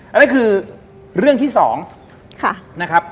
อันนี้คือเรื่องที่สองค่ะนะครับ